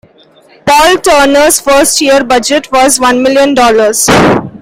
Paul Turner's first year budget was one million dollars.